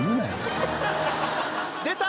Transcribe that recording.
出た。